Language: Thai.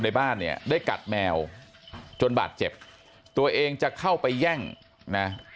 ในบ้านเนี่ยได้กัดแมวจนบาดเจ็บตัวเองจะเข้าไปแย่งนะ